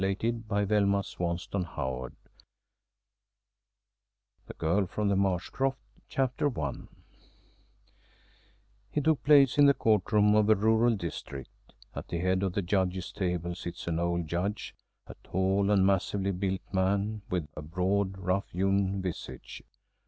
THE STORY OF A STORY 257 The Girl from the Marsh Croft I It took place in the court room of a rural district. At the head of the Judges' table sits an old Judge a tall and massively built man, with a broad, rough hewn visage.